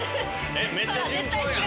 めっちゃ順調やん。